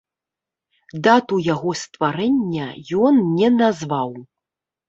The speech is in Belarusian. Дату яго стварэння ён не назваў.